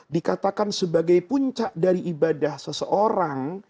dikatakan sebagai puncak dari ibadah seseorang